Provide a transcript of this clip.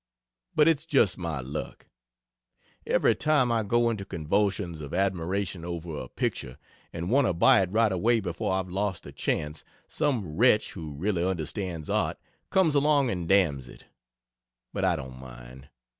But it's just my luck; every time I go into convulsions of admiration over a picture and want to buy it right away before I've lost the chance, some wretch who really understands art comes along and damns it. But I don't mind.